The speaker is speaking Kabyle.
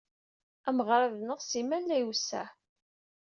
Ameɣrad-nneɣ simal la iwesseɛ.